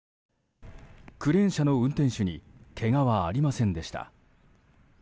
クレーン車の運転手にけがはありませんでした。